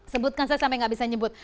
sebutkan saya sampai nggak bisa nyebut